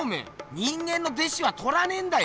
人間の弟子はとらねぇんだよ。